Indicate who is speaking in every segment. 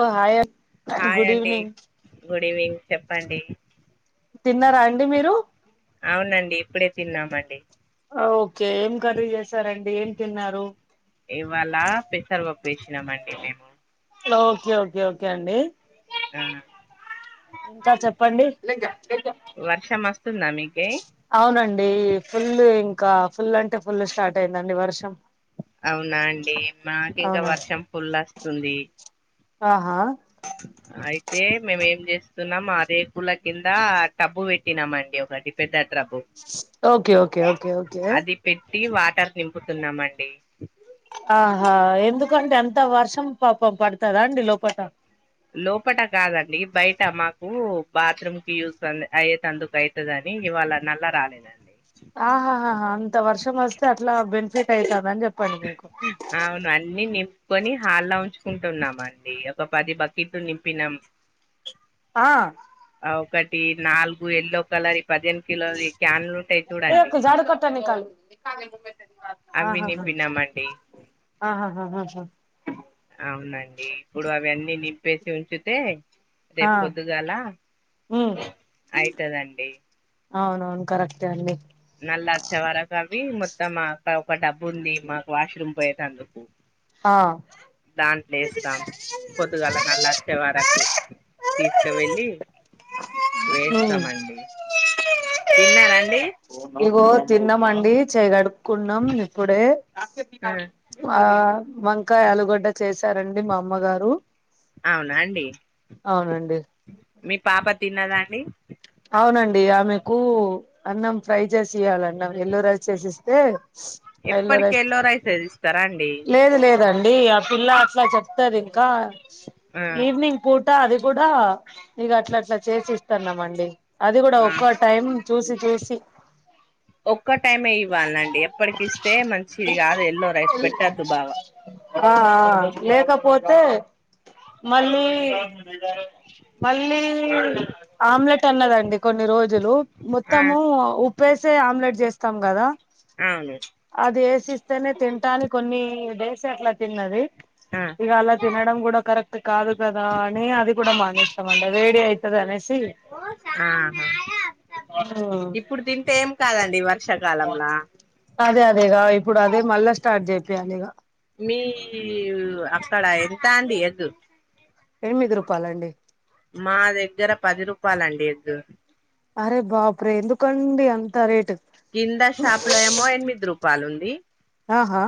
Speaker 1: ఓ hi
Speaker 2: hi
Speaker 1: good
Speaker 2: అండి
Speaker 1: evening
Speaker 2: good evening చెప్పండి
Speaker 1: తిన్నారా అండి మీరు
Speaker 2: అవునండి ఇప్పుడే తిన్నామండి
Speaker 1: ఓకే ఏం కర్రి చేసారండి ఏం తిన్నారు
Speaker 2: ఇవాళ పెసరపప్పు వేసినాం మండి మేము
Speaker 1: ఓకే ఓకే ఓకే అండి
Speaker 2: ఆ
Speaker 1: ఇంకా చెప్పండి
Speaker 2: వర్షం వస్తుందా మీకే
Speaker 1: అవునండి ఫుల్ ఇంకా ఫుల్ అంటే ఫుల్ స్టార్ట్ అయిందండి వర్షం
Speaker 2: అవునా అండి మాకు ఇంకా
Speaker 1: అవునా
Speaker 2: వర్షం ఫుల్ వస్తుంది
Speaker 1: ఆహా
Speaker 2: అయితే మేమేం చేస్తున్నాం ఆ రేకుల కింద టాబ్బు పెట్టి తినమండి ఒకటి పెద్ద drum
Speaker 1: okay okay okay okay
Speaker 2: అది పెట్టి వాటర్ నింపుతున్నాం అండి
Speaker 1: ఆహా ఎందుకంటే అంత వర్షం పాపం పడతదా అండి లోపట
Speaker 2: లోపట కాదండి బయట మాకు బాత్రూమ్ కి యూస్ అయ్యేటందుకు అయితే ఉంటదని ఇవాళ నల్లా రాలేదండి
Speaker 1: ఆహాహా అంత వర్షం వస్తే అట్లా బెనిఫిట్ అయితుంద అని చెప్పండి మీకు
Speaker 2: అవును అన్ని నింపుకొని హాల్లా ఉంచుకుంటున్నాం అండి ఒక పది బకెట్లు నింపినాం
Speaker 1: ఆ
Speaker 2: ఒకటి నాలుగు ఎల్లో కలర్ ఈ పదిహేను కిలోలు క్యాన్లు ఉంటాయి చూడండి
Speaker 1: కట్టా నీ కల్
Speaker 2: అవి నింపినామండి. అవునండి ఇప్పుడు అవన్నీ నిప్పేసి ఉంచితే
Speaker 1: ఆ
Speaker 2: రేపు పొద్దుగాలా
Speaker 1: ఉమ్
Speaker 2: అయితదండి
Speaker 1: అవునవును కరెక్ట్ ఏ అండి
Speaker 2: నల్లా వచ్చేవరకు అవి మొత్తం మా ఒక డబ్బు ఉంది మాకు వాష్రూమ్ పోయేట అందుకు
Speaker 1: ఆ
Speaker 2: దాంట్లో వేస్తాం పొద్దుగాల నల్లా వచ్చే వరకు తీసుక వెళ్ళి
Speaker 1: ఉమ్
Speaker 2: వేస్తామండి తిన్నారా అండి
Speaker 1: ఇగో తిన్నమండి చేయి గడుక్కున్నాం ఇప్పుడే
Speaker 2: ఆ!
Speaker 1: ఆ వంకాయ ఆలుగడ్డ చేసారండి మా అమ్మగారు
Speaker 2: అవునా అండి
Speaker 1: అవునండి
Speaker 2: మీ పాప తిన్నదా అండి
Speaker 1: అవునండి ఆమెకు అన్నం ఫ్రై జేసి ఇయ్యాలండమే ఎల్లో రైస్ చేసిస్తే
Speaker 2: ఎప్పటికి ఎల్లో రైసే ఇస్తరా అండి
Speaker 1: లేదు లేదండి ఆ పిల్ల అట్ల చెప్తదింకా
Speaker 2: ఆ
Speaker 1: ఈవినింగ్ పూట అది గూడా ఇగ అట్లా అట్లా చేసి ఇస్తన్నాం అండి అది కూడ
Speaker 2: ఆ
Speaker 1: ఒక్క టైం చూసి చూసి
Speaker 2: ఒక్క టైమే ఇవ్వాలండి ఎప్పటికిస్తే మంచిది గాదు ఎల్లో రైస్ పెట్టొద్దు బాగా
Speaker 1: ఆ ఆ లేకపోతే మళ్ళీ మళ్ళీ ఆమ్లెట్ అన్నదండి కొన్ని రోజులు
Speaker 2: ఆ
Speaker 1: మొత్తము ఉప్పేసే ఆమ్లెట్ చేస్తాం గదా
Speaker 2: అవును
Speaker 1: అది ఏసిస్తేనే తింటాని కొన్ని డేస్ అట్ల తిన్నది
Speaker 2: ఆ
Speaker 1: ఇగ అలా తినడం కూడా కరెక్ట్ కాదు కదా అని అది గూడ మానేస్తమండి వేడి అయి తదనేసి
Speaker 2: ఆ
Speaker 1: ఉమ్
Speaker 2: ఇప్పుడు తింటే ఏం కాదండి వర్షాకాలంల
Speaker 1: అదే అదేగా ఇప్పుడు అదే మళ్ళా స్టార్ట్ జేపియాలిగా
Speaker 2: మీ అక్కడ ఎంత అండి ఎగ్
Speaker 1: ఎనిమిది రూపాలండి
Speaker 2: మా దగ్గర పది రూపాలండి ఎగ్
Speaker 1: అరె బాపురే ఎందుకండి అంత రేట్
Speaker 2: కింద షాపులో ఏమో ఎనిమిది రూపాలుంది
Speaker 1: ఆహా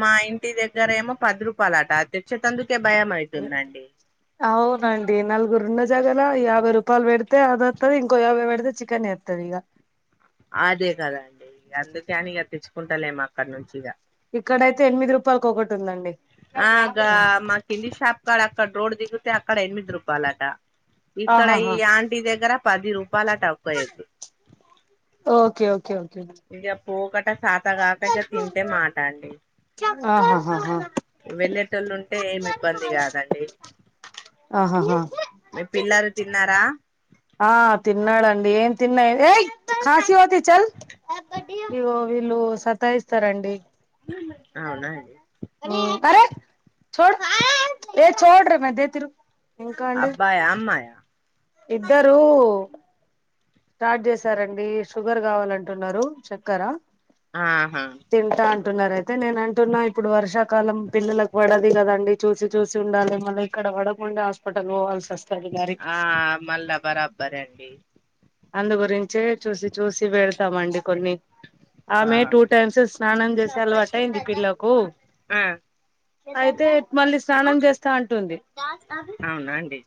Speaker 2: మా ఇంటి దగ్గర ఏమో పది రూపాలట, తెచ్చేటందుకే భయం అయితుందండి
Speaker 1: అవునండి నలుగురున్న జాగల యాభై రూపాలు పెడితే అదత్తది ఇంకో యాభై బెడితే చికెనేత్ త్తదిగా
Speaker 2: అదే కదండి ఇగ అందుకే అని ఇగ తెచ్చుకుంటలేము అక్కడ నుంచి ఇగ
Speaker 1: ఇక్కడయితే ఎనిమిది రూపాలకొకటి ఉందండి
Speaker 2: ఆ గా మా కింది షాప్ కాడ అక్కడ రోడ్డు దిగుతే అక్కడ ఎనిమిది రూపాలట ఇక్కడ ఈ
Speaker 1: ఆహాహా
Speaker 2: ఆంటీ దగ్గర పది రూపాలట ఒక ఎగ్
Speaker 1: ఓకే ఓకే ఓకే
Speaker 2: ఇగ పోకట శాతగాక ఇగ తింటే మాట అండి
Speaker 1: ఆహాహాహా
Speaker 2: వెళ్ళేటోళ్ళు ఉంటే ఏమి ఇబ్బంది గాదండి
Speaker 1: ఆహాహా
Speaker 2: తిన్నారా
Speaker 1: ఆ తిన్నాడండి ఏం తిన్న ఇగో వీళ్ళు సతాయిస్తరండి
Speaker 2: అవునా అండి
Speaker 1: ఉమ్
Speaker 2: అబ్బాయ అమ్మాయ
Speaker 1: ఇద్దరూ స్టార్ట్ జేసారండి షుగర్ కావాలంటున్నారు చక్కరా
Speaker 2: ఆహా
Speaker 1: తింటా అంటున్నారు అయితే నేన అంటున్నా ఇప్పుడు వర్షాలు కాలం పిల్లలకు పడది కదండి చూసి చూసి ఉండాలి మళ్ళీ ఇక్కడ పడకుండా హాస్పిటల్ పోవాల్సి వస్త్
Speaker 2: ఆ మళ్ళా బరాబ్బర్ అండి
Speaker 1: అందు గురించే చూసి చూసి వెడతామండి కొన్ని ఆమె
Speaker 2: ఆ
Speaker 1: టూ టైమ్స్ స్నానం చేసే అలవాట అయింది పిల్లకు
Speaker 2: ఆ
Speaker 1: అయితే మళ్ళీ స్నానం చేస్తా అంటుంది
Speaker 2: అవున అండి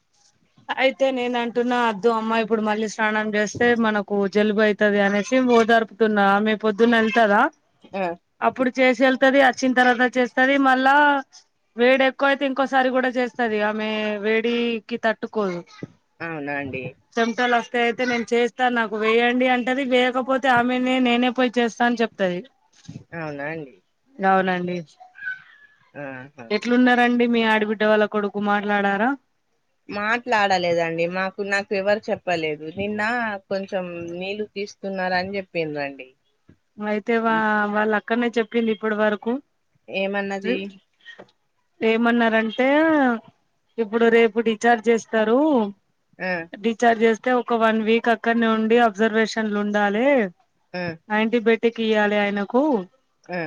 Speaker 1: అయితే నేను అంటున్నా అద్దు అమ్మా ఇప్పుడు మళ్ళీ స్నానం చేస్తే మన కు జలుబు అయ్తాది అనేసి ఓదరుపుతున్నా ఆమే పొద్దున్న వెళ్తదా అప్పుడు చేసి వెళ్తుది వచ్చిన తర్వాత చేస్తుది మళ్ళా వేడి ఎక్కువ అయితే ఇంకోసారి కూడా చేస్తది ఆమె వేడికి తట్టుకోదు
Speaker 2: అవునా అండి
Speaker 1: చెటలా అయితే నేను చేస్తాను నాకు వేయ్యండి అంటది వేయకపోతే ఆమెనే నేనే పోయి చేస్తా అని చెప్తది
Speaker 2: అవునా అండి
Speaker 1: అవునండి
Speaker 2: ఆహా
Speaker 1: ఎట్లున్నరండి మీ ఆడబిడ్డ వాళ్ళ కొడుకు మాట్లాడారా
Speaker 2: మాట్లాడలేదండి మాకు నాకు ఎవరు చెప్పలేదు నిన్న కొంచెం నీళ్లు తీస్ స్తున్నార అని చెప్పింది అండి
Speaker 1: అయితే వా వాళ్ళు అక్కడనే చెప్పింది ఇప్పటి వరకు
Speaker 2: ఏమన్నది
Speaker 1: ఏమన్నారంటే ఇప్పుడు రేపు డిశ్చార్జ్ చేస్తారు
Speaker 2: మ్మ్
Speaker 1: డిశ్చార్జ్ చేస్తే ఒక వన్ వీక్ అక్కడ్నే ఉండి అబ్జర్వేషన్లు ఉండాలి
Speaker 2: హ్మ్
Speaker 1: యాంటీబయటిక్ ఇయ్యాలి ఆయనకు
Speaker 2: ఆ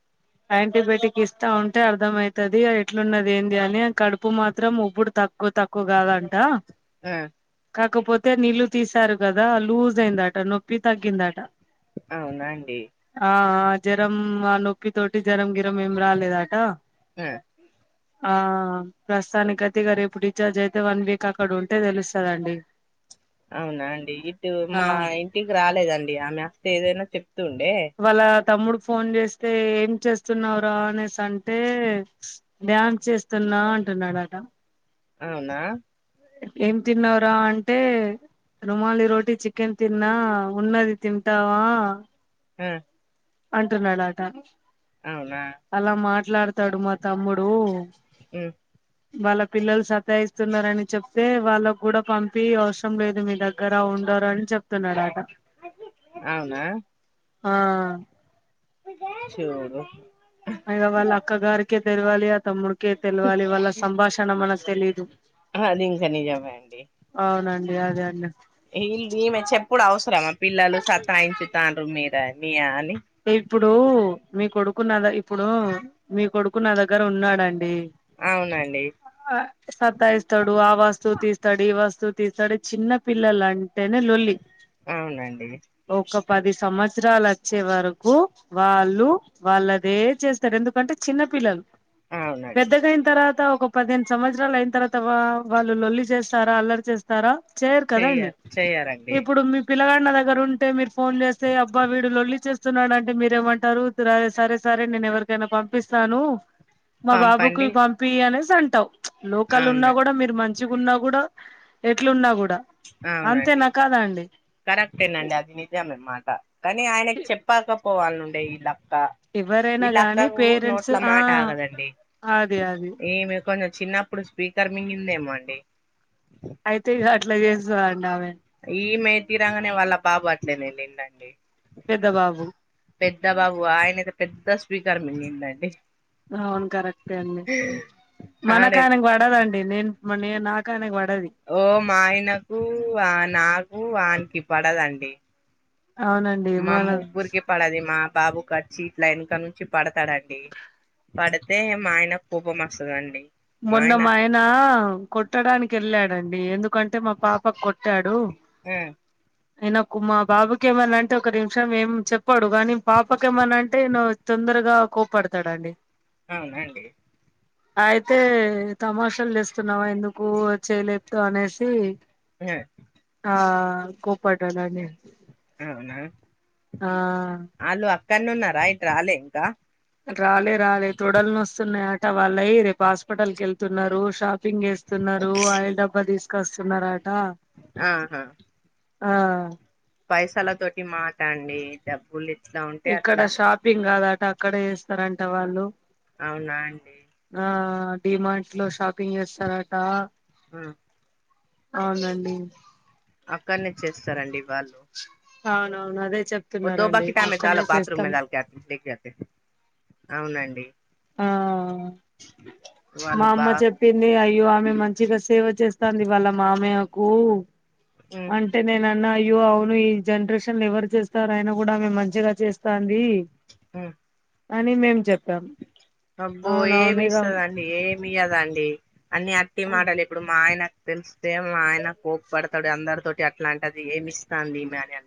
Speaker 1: [inaudible] యాంటీబయాటిక్ ఇస్తా ఉంటే అర్ధం అయ్తది ఎట్లున్నది ఏంది అని కడుపు మాత్రం ఉప్పుడు తక్కువ ఎక్కువ తక్కువ కాదంట
Speaker 2: ఆ
Speaker 1: కాకపోతే నీళ్లు తీశారు కదా లూజ్ అయిందట నొప్పి తగ్గిందాట
Speaker 2: అవునాండి
Speaker 1: ఆ ఆ జ్వరం ఆ నొప్పి తోటి జ్వరం గిరం ఏం రాలేదట
Speaker 2: హ్
Speaker 1: ఆ ప్రస్తుతానికైతే రేపు డిశ్చార్జ్ అయితే వన్ వీక్ అక్కడ ఉంటే తెలుస్తాదండి
Speaker 2: అవునా అండి ఇటు
Speaker 1: ఆ
Speaker 2: మా ఇంటికి రాలేదండి ఆమె అస్తే ఏదైనా చెప్తుండే
Speaker 1: వాళ్ళ తమ్ముడు ఫోన్ చేస్తే ఏం చేస్తున్నావ్రా అనేసి అంటే డ్యాన్స్ చేస్తున్నా అంటున్నాడాట
Speaker 2: అవునా
Speaker 1: ఏం తిన్నావ్ రా అంటే రుమాలి రోటీటి చికెన్ తిన్నా ఉన్నది తింటావా
Speaker 2: హ్మ్
Speaker 1: అంటున్నాడాట
Speaker 2: అవునా
Speaker 1: అలా మాట్లాడుతాడు మా తమ్ముడు
Speaker 2: హ్మ్
Speaker 1: వాళ్ళ పిల్లలు సతాయిస్తున్నారని చెప్తే వాళ్ళక్కూడా పంపి అవసరం లేదు మీ దగ్ గర ఉండరు అని చెప్తున్నాడాట
Speaker 2: అవునా
Speaker 1: ఆ
Speaker 2: చె
Speaker 1: అయ్యో వాళ్ళ అక్కగారికే తెలివాలి ఆ తమ్ముడికే తెలివాలి వాళ్ళ సంభాషణ మనకు తెలీదు
Speaker 2: అది ఇంకా నిజమే అండి
Speaker 1: అవునండి అదే అండి
Speaker 2: వీల్ళు ఈమె చెప్పుడు అవసరమా పిల్లలు సతాయించుతాండ్రు మీరు మీ అని
Speaker 1: ఇప్పుడు మీ కొడుకునాద్ ఇప్పుడు మీ కొడుకు నా దగ్గర ఉన్నాడండి
Speaker 2: అవునండి
Speaker 1: ఆహ్ సత్తాయిస్తాడు ఆ వస్తువు తీస్తాడు ఈ వస్తువు తీస్తాడు చిన్న పిల్లలు అంటేనే లొల్లి
Speaker 2: అవునండి
Speaker 1: ఒక్క పది సంవత్సరాలు వచ్చేవరు కు వాళ్ళు వాళ్ళు అదే చేస్తారు ఎందుకంటే చిన్న పిల్లలు
Speaker 2: అవునండి
Speaker 1: పెద్దదైన తర్వాత ఒక పదిహేను సంవత్సరాలు అయిన తరువాత వా వాళ్ళు లొల్లి చేస్తారా అల్లరి చే స్తారా చేయరు కదా
Speaker 2: చెయ్య
Speaker 1: అండి
Speaker 2: చెయ్యరండి
Speaker 1: ఇప్పుడు మీ పిల్లగాండ్ల దగ్గర ఉంటే మీ ఫోన్ చేస్తే అబ్బా వీడి లొల్లి చేస్ వస్తున్నాడు అంటే మీరేమంటారు త్ర సరే సరే నేను ఎవరికైనా పంపిస్తాను మా బాబుకి
Speaker 2: పంపండి
Speaker 1: పంపియ్యి అనేసి అంటావు ప్చ్ లోకల్ ఉన్నా
Speaker 2: అవును
Speaker 1: కూడా మీరు మం చికున్నా కూడా ఎట్లున్నా కూడా
Speaker 2: అవునండి
Speaker 1: అంతేనా కాదా అండి
Speaker 2: కరెక్టేనండి అది నిజమే మాట కానీ ఆయనకి చెప్పాకపోవాలండే వీల అక్క
Speaker 1: ఎవరైనా
Speaker 2: వీలా
Speaker 1: గాని
Speaker 2: అక్కకు
Speaker 1: పేరెంట్స్
Speaker 2: నోట్లో
Speaker 1: ఆ
Speaker 2: మాట ఆగదండి
Speaker 1: అది అది
Speaker 2: ఈమె కొంచెం చిన్నప్పుడు స్పీకర్ మింగిందేమో అండి
Speaker 1: అయితే ఇగా అట్లా చేస్తాదండి ఆమె
Speaker 2: ఈమె తీరగానే వాళ్ళ బాబు అట్లేనండి ఇందాకే
Speaker 1: పెద్ద బాబు
Speaker 2: పెద్ద బాబు ఆయనతే పెద్ద స్పీకర్ మింగిండండి
Speaker 1: అవును కరెక్టే అండి మనకు
Speaker 2: ఆడే
Speaker 1: ఆయనకు పడదండి నేను మన్నే నాకు ఆయనకి వడది
Speaker 2: ఓ మా ఆయనకు ఆ నాకు వానికి పడదండి
Speaker 1: అవునండ్
Speaker 2: మా ముగ్గురికి పడది మా బాబు కచ్చి ఇట్లా వెనక నుంచి పడతాడండి పడితే మా ఆయనకు కోపం వస్తాదండీ
Speaker 1: మొన్న మా ఆయన కొట్టడానికి వెళ్ళాడండి ఎందుకంటే మా పాపకు కొట్టాడు
Speaker 2: హ్మ్
Speaker 1: ఆయనకు మా బాబుకి ఏమన్నా అంటే ఒక నిమిషం ఏం చెప్పడు గానీ పాపకు ఏమన్నా అంటే నో తొందరగా కోప్పడతాడండి
Speaker 2: అవునా అండి
Speaker 1: ఆయ్ అయితే తమాషాలు చే స్తున్నావా ఎందుకు వచ్చే ఇ ప్పుడు అనేసి
Speaker 2: హ [unintelligible]
Speaker 1: ఆ కోప్పడ్డాడు నా మే
Speaker 2: ఎవరే [unintelligible]
Speaker 1: ఆ ఆ
Speaker 2: వాళ్ళు అక్కడనే ఉన్నారా ఇటు రాలేదా
Speaker 1: రాలే రాలే తొడలు వస్తున్నాయట వాళ్లయి రేపు హాస్పిటల్కి వెళ్తున్నారు షాప్ టింగ్ వేస్తున్నారు ఆయిల్ డబ్బా తీసుకొస్తున్నారంట
Speaker 2: ఆహాహా
Speaker 1: ఆ
Speaker 2: పైసల తోటి మాటండి డబ్బులు ఇట్లా ఉంటే
Speaker 1: ఇక్కడ
Speaker 2: అట్లా
Speaker 1: షాపింగ్ కాదా అంట అక్కడ చేస్తారంట వాళ్ళు
Speaker 2: అవునా అండి
Speaker 1: ఆ డిమార్ట్ లో షాపింగ్ చేస్తారట
Speaker 2: ఆ
Speaker 1: అవునండి
Speaker 2: అక్కడనే చేస్తారండి వాళ్ళు
Speaker 1: అవునవును అదే చెప్ప
Speaker 2: వద్దో బకిటామె దాాల బాత్రూమ్ [unintelligible] దతే అవునండి
Speaker 1: ఆ మా
Speaker 2: వాళ్ళు బా
Speaker 1: అమ్మ చెప్పింది అయ్యో ఆమె మంచి మంచిగా సేవ చేస్తాంది వాళ్ళ మామయ్యకు
Speaker 2: ఉమ్
Speaker 1: అంటే అంటే నేను అన్న అయ్యో అవును ఈ జనరేషన్ ఎవరు చేస్తారు అయినా కూడా ఆమె మంచిగా చేస్తాంది.
Speaker 2: హ
Speaker 1: అని మేము చెప్పాం.
Speaker 2: అబ్బో
Speaker 1: అవునవును
Speaker 2: ఏమి
Speaker 1: ఇగ
Speaker 2: ఇస్తదండి ఏమి ఇయదండి అన్ని అట్టి మాటలు ఇప్పుడు మా ఆయన తెలిస్తే ఆయన కోప పడతాడు అందరితోటి అట్లాంటిది ఏమి ఇస్తాందిమె అని అ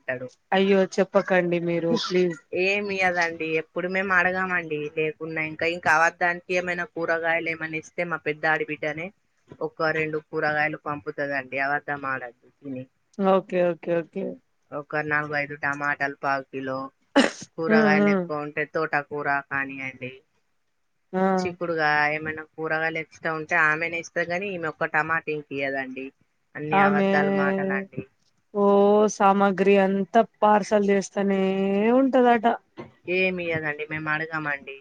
Speaker 1: అయ్యో చెప్పకండి మీరు ప్లీజ్
Speaker 2: ఏమి ఇయ్యదండి ఎప్పుడు మేము అడగామండి లే ఉన్నాయి ఇంకా ఇంకా అవర్ధాకీయమైన కూరగాయలు ఏమనా ఇస్తే మా పెద్ద ఆడిబిడ్డనే ఒక్క రెండు కూరగాయలు పంపుతుందండి అవద్ద మాలద్దు తిని
Speaker 1: ఓకే ఓకే ఓకే
Speaker 2: ఒక నాలుగు ఐదు టమాటాలు పావు కిలో
Speaker 1: ఉమ్
Speaker 2: కూరగాయలు
Speaker 1: ఉమ్
Speaker 2: ఎక్కువఉంటది. తోటకూర కానియంండి
Speaker 1: ఆ
Speaker 2: చిక్కుడు ఇప్పుడుగా ఏమైనా కూరగాయా లు ఎత్తు తా ఉంటే ఆమెనే ఇస్తాది కాని ఈమె ఒొక్క టమాటో ఎసి ఇయదండి అన్ని
Speaker 1: ఆమె
Speaker 2: అబద్దాలు మాటలా అండి
Speaker 1: ఓ సామాగ్రి అంతా పార్సల్ చేస్తానే ఉంటదట
Speaker 2: ఏమి ఇయ్య దండి మేము అడగామండి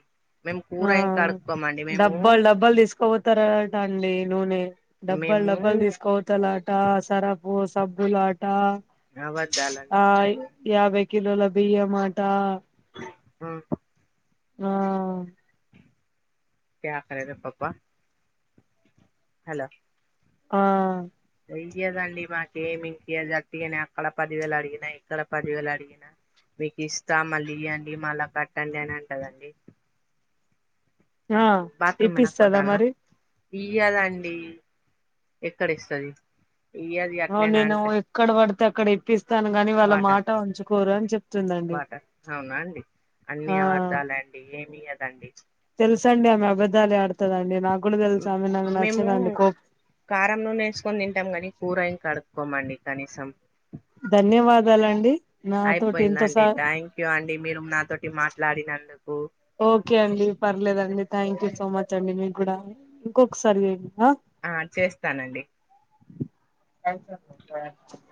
Speaker 2: మేము కూర
Speaker 1: ఆ
Speaker 2: ఇం కడుక్కకోమ
Speaker 1: డబ్బాలు డబ్బాలు తీసుకోపోతారట అండి నూనె డబ్బాలు
Speaker 2: మేము
Speaker 1: డబ్బాలు తీసుకో మత్తలా ఆట సరపు సబ్బులు ఆట
Speaker 2: అబద్ధాలండి
Speaker 1: ఆ
Speaker 2: అవన్నీ
Speaker 1: యాభై కిలోల బియ్యం మాట
Speaker 2: ఆ
Speaker 1: ఆ
Speaker 2: త్యా కేద రా పప్పు హలో
Speaker 1: ఆ
Speaker 2: అయ్యదండి మాకేమి ఇంకా జట్టుగానే అక్కడ పదివేలు అడిగినా ఇక్కడ పదివేలు అడిగిన మీకు ఇస్తా మళ్ళీ ఇయ్యండి మళ్ళా కట్టండి అని అంటదఅండి
Speaker 1: ఆ
Speaker 2: బాత్రూమ్ అయినా
Speaker 1: ఇప్పిస్తదా
Speaker 2: పదాలనా
Speaker 1: మరి
Speaker 2: ఇయ్యదా అండి ఎక్కడ ఇస్త అది
Speaker 1: అ నేను ఎక్కడ పడితే అక్కడ ఇప్పిస్తాను గాని వాళ్ళ మాట ఉంచుకోరు అని చెప్
Speaker 2: బాట అవునా అండి అన్ని
Speaker 1: ఆ
Speaker 2: అబద్ధాలే అండి ఏమి కద అండి
Speaker 1: తెలుస అండి ఆమె అబద్దాలే ఆడుతద అండి నాకుగులు తెలుసు ఆమె నాకు
Speaker 2: మేము
Speaker 1: నచ్చద అండి కో
Speaker 2: కారం నూనె వేసుకొని తింటాం కానీ కూరయి కడుక్కోమ అండి కనీసం
Speaker 1: ధన్యవాదాల అండి
Speaker 2: అయిపోయిందండి థ్యాంక్ యూ అండి మీరు నాతోటి మాట్లాడినందుకు
Speaker 1: ఓకే అండి పర్లేదండి థ్యాంక్ యూ సో మచ్ అండి మీకు కూడా ఇంకొకసారి చేయ్యండి ఆ
Speaker 2: ఆ చేస్తానండి
Speaker 1: [unintelligible]